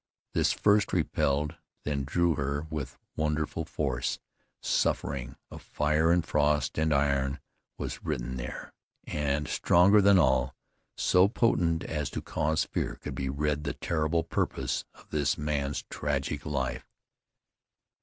This first repelled, then drew her with wonderful force. Suffering, of fire, and frost, and iron was written there, and, stronger than all, so potent as to cause fear, could be read the terrible purpose of this man's tragic life.